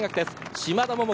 嶋田桃子